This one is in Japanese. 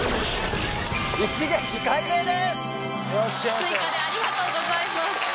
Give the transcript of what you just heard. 追加でありがとうございます。